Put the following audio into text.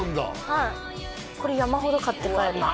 はいこれ山ほど買って帰ります